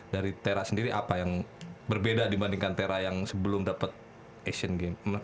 dari tera sendiri apa yang berbeda dibandingkan tera yang sebelum dapet asian games